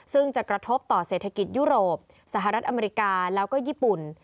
ซึ่งจะกระทบต่อเศรษฐกิจยุโรปสหรัฐอเมริกาแล้วก็ญี่ปุ่น